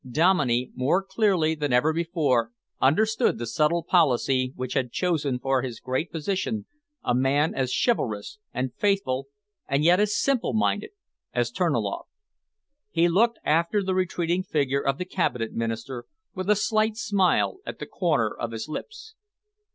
Dominey, more clearly than ever before, understood the subtle policy which had chosen for his great position a man as chivalrous and faithful and yet as simple minded as Terniloff. He looked after the retreating figure of the Cabinet Minister with a slight smile at the corner of his lips.